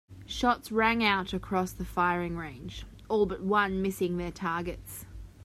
Shots rang out across the firing range, all but one missing their targets.